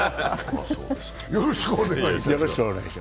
よろしくお願いします。